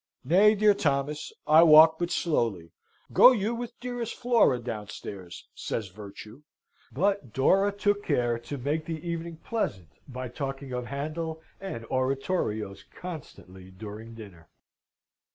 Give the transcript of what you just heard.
"Nay, dear Thomas, I walk but slowly. Go you with dearest Flora downstairs," says Virtue. But Dora took care to make the evening pleasant by talking of Handel and oratorios constantly during dinner.